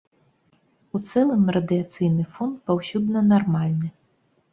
У цэлым радыяцыйны фон паўсюдна нармальны.